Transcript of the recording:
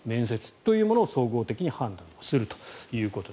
そういうものを総合的に判断すると。